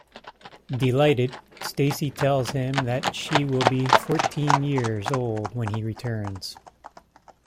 Delighted, Stacey tells him that she will be fourteen years old when he returns.